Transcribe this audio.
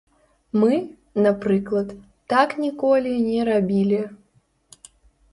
Мы, напрыклад, так ніколі не рабілі.